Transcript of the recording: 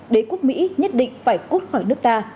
đế quốc mỹ nhất định phải cốt khỏi nước ta